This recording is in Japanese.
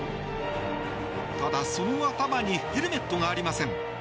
ただ、その頭にヘルメットがありません。